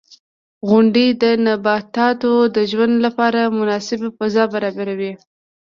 • غونډۍ د نباتاتو د ژوند لپاره مناسبه فضا برابروي.